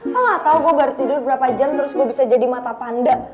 ah gak tau gue baru tidur berapa jam terus gue bisa jadi mata panda